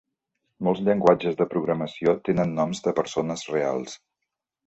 Molts llenguatges de programació tenen noms de persones reals.